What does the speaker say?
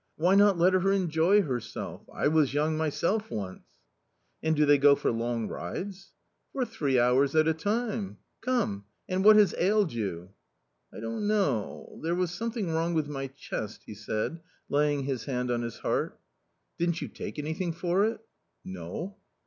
"Why not let her enjoy herself! I was young myself once." " And do they go for long rides ?"" For three hours at a time. Come, and what has ailed you." " I don't know; there was something wrong with my chest," he said, laying his hand on his heart. " Didn't you take anything for it ?"" No."